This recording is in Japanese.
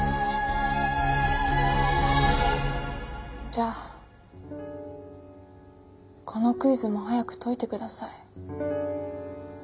じゃあこのクイズも早く解いてください。